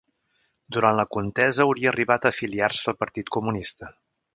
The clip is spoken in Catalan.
Durant la contesa hauria arribat a afiliar-se al Partit Comunista.